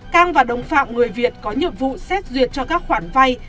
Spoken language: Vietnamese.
cang và đồng phạm người việt có nhiệm vụ xét duyệt cho các khoản vay